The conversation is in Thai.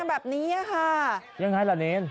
แบบนี้ค่ะยังไงล่ะเนร